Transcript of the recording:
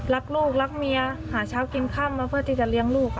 รักลูกรักเมียหาเช้ากินค่ำมาเพื่อที่จะเลี้ยงลูก